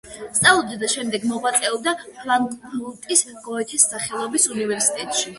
სწავლობდა და შემდეგ მოღვაწეობდა ფრანკფურტის გოეთეს სახელობის უნივერსიტეტში.